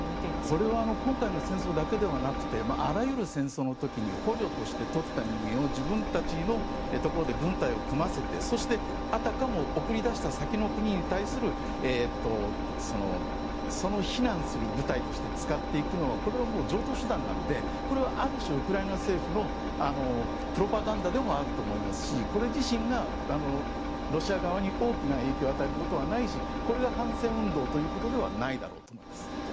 これは今回の戦争だけではなくてあらゆる戦争の時に捕虜として取った人間を自分たちのところで軍隊を組ませてそして、あたかも送り出した先の国に対するその非難する部隊として使っていくのはこれは常とう手段なのでこれはある種、ウクライナ政府のプロパガンダでもあると思いますしこれ自身がロシア側に大きな影響を与えることはないしこれで反戦運動ということではないだろうと思います。